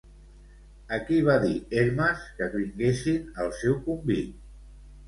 A qui va dir Hermes que vinguessin al seu convit?